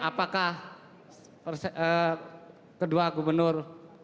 apakah kedua gubernur